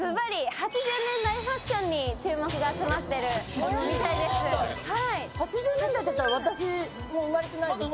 ８０年代ファッションに注目が集まっています。